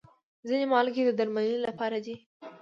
ځینې مالګې د درملنې لپاره دي.